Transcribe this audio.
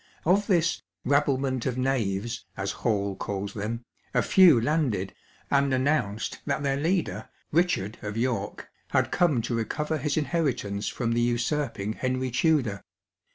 Of this "rabblement of knaves," as Hall calls them, a few landrd, and announced that their leader, " Richard of York," h»d come to recover his inheritance from the usurping Henry Tudor.